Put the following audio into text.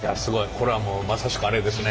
これはもうまさしくあれですね。